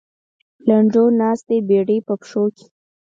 لنډو ناست دی بېړۍ په پښو کې.